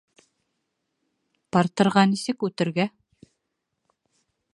Партерға нисек үтергә?